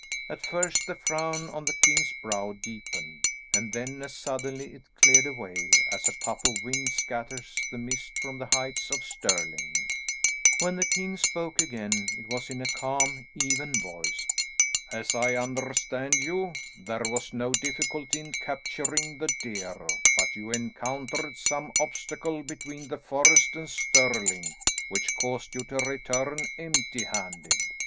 At first the frown on the king's brow deepened, and then as suddenly it cleared away, as a puff of wind scatters the mist from the heights of Stirling. When the king spoke again it was in a calm, even voice. "As I understand you, there was no difficulty in capturing the deer, but you encountered some obstacle between the forest and Stirling which caused you to return empty handed.